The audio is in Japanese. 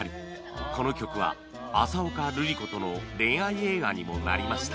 この曲は浅丘ルリ子との恋愛映画にもなりました